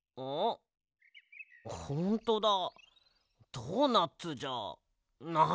ドーナツじゃない。